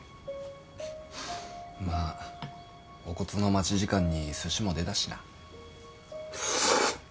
まあお骨の待ち時間にすしも出たしな。